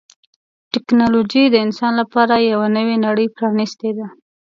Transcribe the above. ټکنالوجي د انسان لپاره یوه نوې نړۍ پرانستې ده.